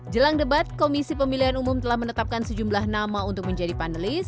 jelang debat komisi pemilihan umum telah menetapkan sejumlah nama untuk menjadi panelis